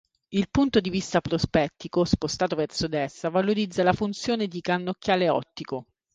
Il punto di vista prospettico spostato verso destra valorizza la funzione di cannocchiale ottico.